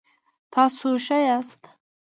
تاسو ښه یاست؟